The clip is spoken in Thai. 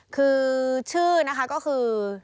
คือชื่อนะคะก็คือ